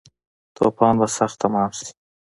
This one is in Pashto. توپان به سخت تمام شی